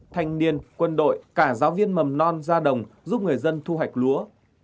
thanh niên quân đội cả giáo viên mầm non ra đồng giúp người dân thu hoạch lúa